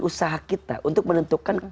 usaha kita untuk menentukan